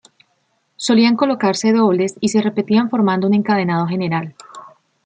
Solían colocarse dobles y se repetían formando un encadenado general.